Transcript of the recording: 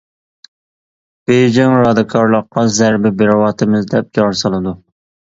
بېيجىڭ رادىكاللىققا زەربە بېرىۋاتىمىز دەپ جار سالىدۇ.